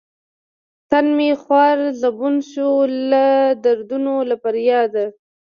تن مې خوار زبون شو لۀ دردونو له فرياده